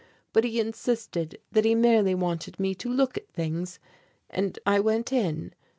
But he insisted that he merely wanted me to look at things and I went in.